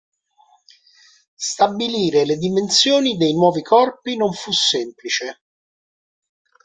Stabilire le dimensioni dei nuovi corpi non fu semplice.